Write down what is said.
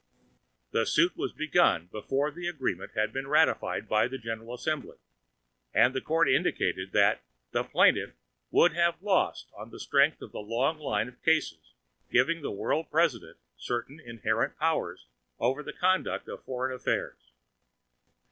The suit was begun before the Agreement had been ratified by the General Assembly, and the Court indicated that the plaintiff would have lost on the strength of a long line of cases giving the World President certain inherent powers over the conduct of foreign affairs.